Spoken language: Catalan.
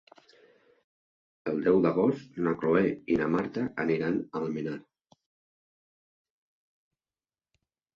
El deu d'agost na Cloè i na Marta aniran a Almenar.